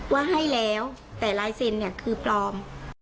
ว่าให้แล้วแต่ลายเซ็นเนี่ยคือปลอม